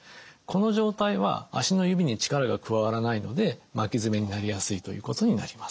この状態は足の指に力が加わらないので巻き爪になりやすいということになります。